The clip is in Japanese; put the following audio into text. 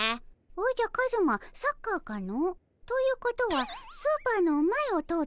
おじゃカズマサッカーかの？ということはスーパーの前を通って行くのかの？